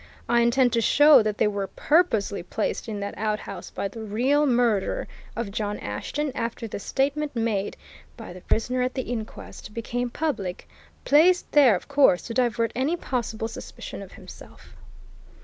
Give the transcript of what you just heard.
"I intend to show that they were purposely placed in that outhouse by the real murderer of John Ashton after the statement made by the prisoner at the inquest became public placed there, of course, to divert any possible suspicion of himself.